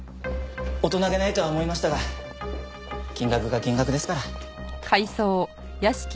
大人げないとは思いましたが金額が金額ですから。